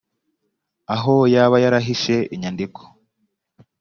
aho yaba yarahishe inyandiko